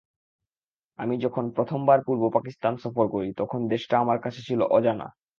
আমি যখন প্রথমবার পূর্ব পাকিস্তান সফর করি, তখন দেশটা আমার কাছে ছিল অজানা।